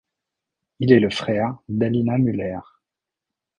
Il est le frère d'Alina Müller.